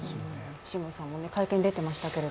藤森さんも会見に出ていましたが？